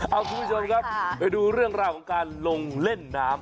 เอาคุณผู้ชมครับไปดูเรื่องราวของการลงเล่นน้ำ